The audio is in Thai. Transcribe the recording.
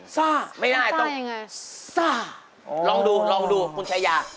ศ่าไม่ได้อะต้องศ่าลองดูคุณชายา